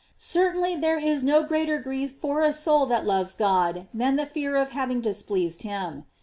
* Certainly there is no greater grief for a soul that loves God than the fear of having displeased him.